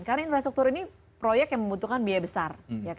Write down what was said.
karena infrastruktur ini proyek yang membutuhkan biaya besar